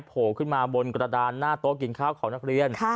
โผล่ขึ้นมาบนกระดานหน้าโต๊ะกินข้าวของนักเรียน